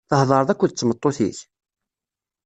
Theḍṛeḍ akked tmeṭṭut-ik?